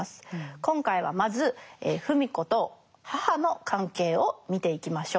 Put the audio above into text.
今回はまず芙美子と母の関係を見ていきましょう。